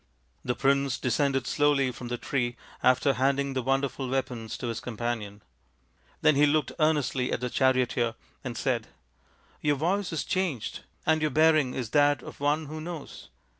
The prince descended slowly from the tree after handing the wonderful weapons to his companion. Then he looked earnestly at the charioteer and said, " Your voice is changed, and your bearing is that of one who knows.